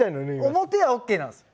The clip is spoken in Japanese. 表はＯＫなんすよ